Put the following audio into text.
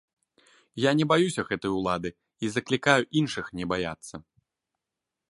Я не баюся гэтай улады і заклікаю іншых не баяцца.